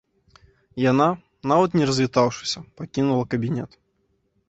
Яна, нават не развітаўшыся, пакінула кабінет.